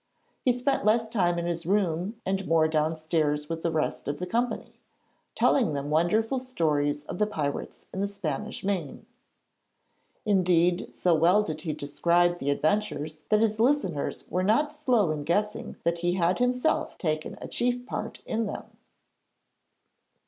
He spent less time in his room and more downstairs with the rest of the company, telling them wonderful stories of the pirates in the Spanish Main. Indeed, so well did he describe the adventures that his listeners were not slow in guessing that he had himself taken a chief part in them.